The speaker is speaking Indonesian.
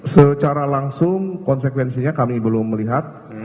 secara langsung konsekuensinya kami belum melihat